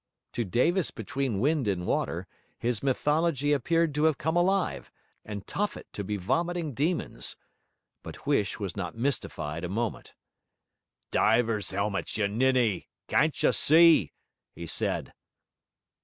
To Davis between wind and water, his mythology appeared to have come alive, and Tophet to be vomiting demons. But Huish was not mystified a moment. 'Divers' 'elmets, you ninny. Can't you see?' he said.